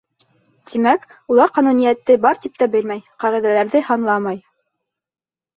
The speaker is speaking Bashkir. Тимәк, улар ҡануниәтте бар тип тә белмәй, ҡағиҙәләрҙе һанламай.